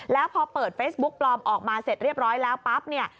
แล้วพอเปิดเฟซบุ๊กปลอมออกมาเสร็จเรียบร้อยแล้วปั๊บเนี่ย